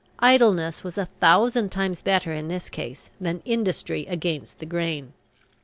Idleness was a thousand times better in this case than industry against the grain.